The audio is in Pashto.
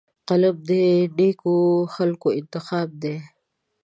قلم د نیکو خلکو انتخاب دی